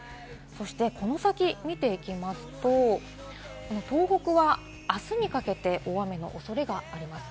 この先を見ていきますと、東北はあすにかけて大雨のおそれがあります。